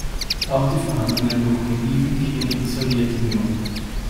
Auch die vorhandenen Lokomotiven gingen in die Sowjetunion.